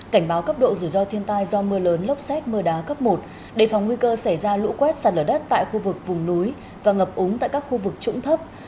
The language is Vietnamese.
cảnh báo cấp độ rủi ro thiên tai do mưa lớn lốc xét mưa đá cấp một đề phòng nguy cơ xảy ra lũ quét sạt lở đất tại khu vực vùng núi và ngập úng tại các khu vực trũng thấp